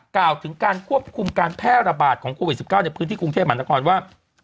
กล่าวถึงการควบคุมการแพร่ระบาดของโควิด๑๙ในพื้นที่กรุงเทพมหานครว่า